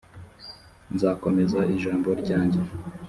nzakomeza ijambo ryanjye.